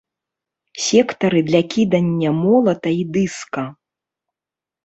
Сектары для кідання молата і дыска.